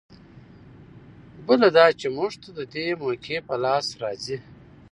بله دا چې موږ ته د دې موقعې په لاس راځي.